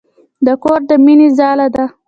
د کور د مينې ځاله ده.